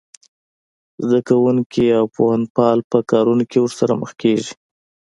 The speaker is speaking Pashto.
زده کوونکي او پوهنپال په کارونه کې ورسره مخ کېږي